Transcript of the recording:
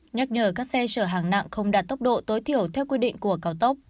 nhắc nhở các xe chở hàng nặng không đạt tốc độ tối thiểu theo quy định của cao tốc